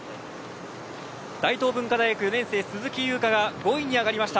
大東文化大４年、鈴木が５位上がりました。